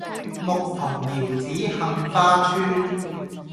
牧童遙指杏花村